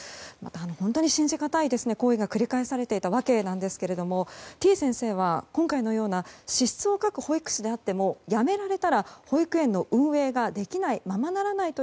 本当に信じがたい行為が繰り返されていたわけですがてぃ先生は今回のような資質を欠く保育士であっても辞められたら保育園の運営ができないままならないと。